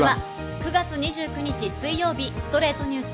９月２９日、水曜日『ストレイトニュース』。